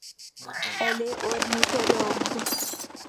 Elle est ornithologue.